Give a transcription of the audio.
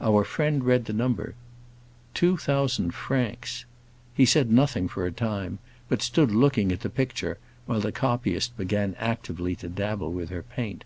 Our friend read the number: "2,000 francs." He said nothing for a time, but stood looking at the picture, while the copyist began actively to dabble with her paint.